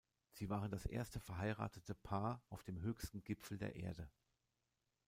Sie waren das erste verheiratete Paar auf dem höchsten Gipfel der Erde.